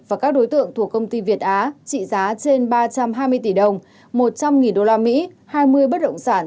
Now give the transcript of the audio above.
và các đối tượng thuộc công ty việt á trị giá trên ba trăm hai mươi tỷ đồng một trăm linh usd hai mươi bất động sản